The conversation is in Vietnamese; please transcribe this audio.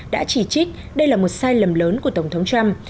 đã chỉ trích đây là một sai lầm lớn của tổng thống trump